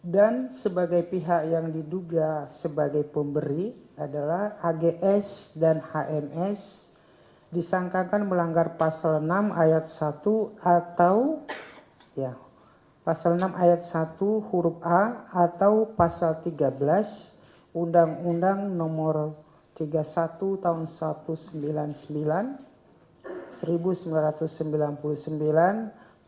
dan sebagai pihak yang diduga sebagai pemberi adalah ags dan hns disangkakan melanggar pasal enam ayat satu